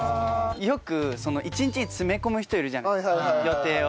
よく一日に詰め込む人いるじゃないですか予定を。